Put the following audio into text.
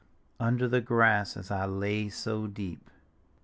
Under the grass as I lay so deep.